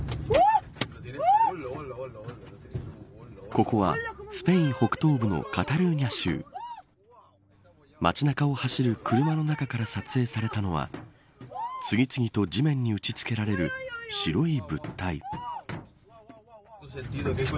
ここは、スペイン北東部のカタルーニャ州。街中を走る車の中から撮影されたのは次々と地面に打ち付けられる白い物体。